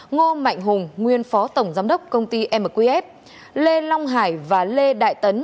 ngô mạnh hùng nguyên phó tổng giám đốc công ty mqf lê long hải và lê đại tấn